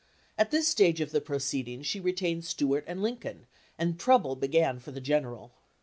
At this stage of the proceedings she retained Stuart & Lincoln, and trouble began for the "general."